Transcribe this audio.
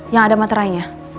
yang ada materainya